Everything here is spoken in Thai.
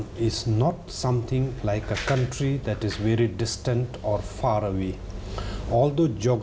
ไม่เหมือนกับประเภทที่สูงหลังหรือที่สูง